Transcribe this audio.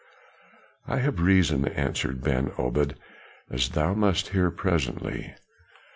"I have reason," answered Ben Obed, "as thou must hear presently."